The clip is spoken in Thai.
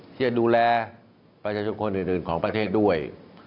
ที่จะดูแลประชาชนคนอื่นของประเทศด้วย